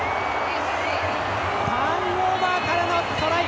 ターンオーバーからのトライ！